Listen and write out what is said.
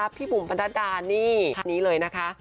ให้ปุ่มบรรดานี่ภาพนี้เลยนะคะ